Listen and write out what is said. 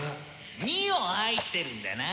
・「２」を愛してるんだな。